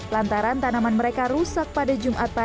lantaran tanaman mereka rusak pada jumlahnya